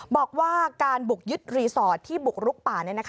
บอกว่าการบุกยึดรีสอร์ทที่บุกรุกป่า